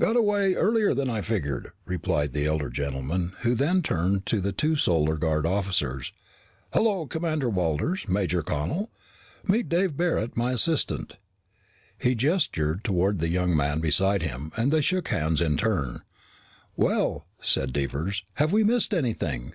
"Got away earlier than I figured," replied the elder man, who then turned to the two Solar Guard officers. "Hello, Commander Walters, Major Connel. Meet Dave Barret, my assistant." He gestured toward the young man beside him and they shook hands in turn. "Well," said Devers, "have we missed anything?"